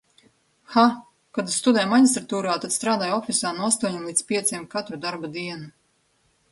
Hah! Kad studēju maģistratūrā, tad strādāju ofisā no astoņiem līdz pieciem katru darba dienu.